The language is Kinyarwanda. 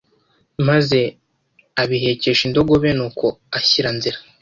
maze abihekesha indogobe nuko ashyira nzira